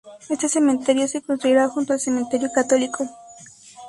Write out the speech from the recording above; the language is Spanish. Este Cementerio se construirá junto al Cementerio Católico.